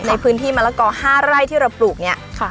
ในพื้นที่มะละกอ๕ไร่ที่เราปลูกเนี่ย